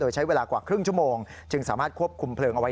ใช้เวลากว่าครึ่งชั่วโมงจึงสามารถควบคุมเพลิงเอาไว้